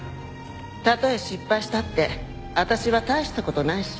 たとえ失敗したって私は大した事ないし。